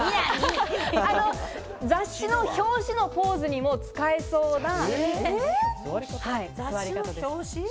雑誌の表紙のポーズにも使えそうな。